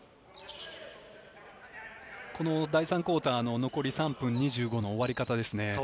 第３クオーターの残り３分２５秒の終わり方ですね。